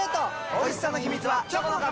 おいしさの秘密はチョコの壁！